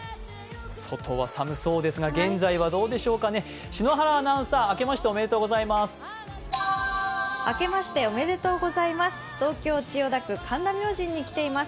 外は寒そうですが、現在はどうでしょうかね、篠原アナウンサー明けましておめでとうございます、東京・千代田区神田明神に来ています。